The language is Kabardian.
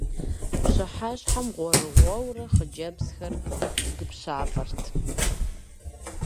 Пщыхьэщхьэм гъуэрыгъуэурэ хъыджэбзхэр дыпщафӏэрт.